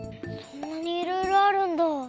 そんなにいろいろあるんだ。